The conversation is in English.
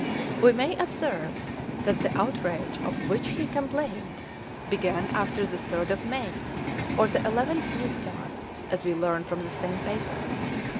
We may observe, that the outrage of which he complained began after the third of May, or the eleventh, new style, as we learn from the same paper.